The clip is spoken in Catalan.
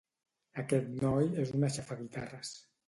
Aquest noi és un aixafaguitarres.